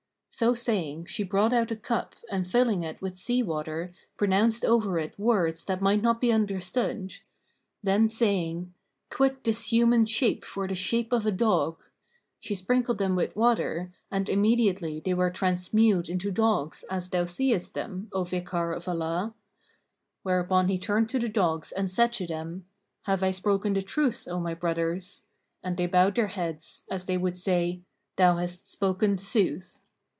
So saying, she brought out a cup and filling it with sea water, pronounced over it words that might not be understood; then saying, 'Quit this human shape for the shape of a dog;' she sprinkled them with the water, and immediately they were transmewed into dogs, as thou seest them, O Vicar of Allah." Whereupon he turned to the dogs and said to them, "Have I spoken the truth, O my brothers?" And they bowed their heads, as they would say, "Thou hast spoken sooth."